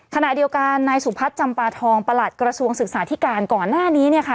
ขณะเดียวกันนายสุพัฒน์จำปาทองประหลัดกระทรวงศึกษาธิการก่อนหน้านี้เนี่ยค่ะ